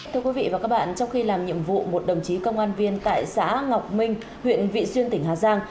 thưa quý vị và các bạn trong khi làm nhiệm vụ một đồng chí công an viên tại xã ngọc minh huyện vị xuyên tỉnh hà giang